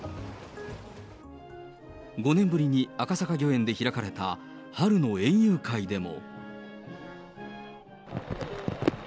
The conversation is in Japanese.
５年ぶりに赤坂御苑で開かれた春の園遊会でも。